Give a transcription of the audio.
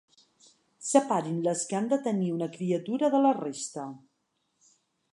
Separin les que han de tenir una criatura de la resta.